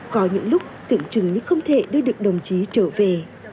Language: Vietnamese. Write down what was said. có những lúc tưởng chừng như không thể đưa được đồng chí trở về